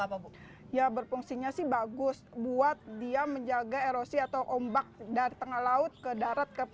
apa bu ya berfungsinya sih bagus buat dia menjaga erosi atau ombak dari tengah laut ke darat ke